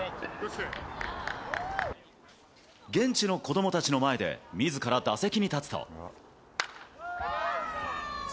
現地の子どもたちの前で、みずから打席に立つと。